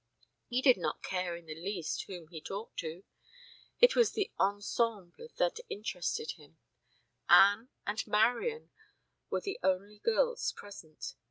He did not care in the least whom he talked to; it was the ensemble that interested him. Anne and Marian were the only girls present.